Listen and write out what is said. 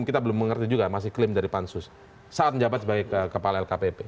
kita belum mengerti juga masih klaim dari pansus saat menjabat sebagai kepala lkpp